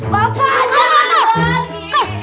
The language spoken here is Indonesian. bapak jangan pergi